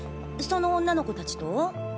その女の子達と？